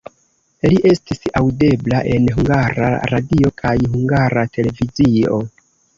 Li estis aŭdebla en Hungara Radio kaj Hungara Televizio.